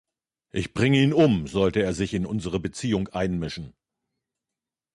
Ich bringe ihn um, sollte er sich in unsere Beziehung einmischen.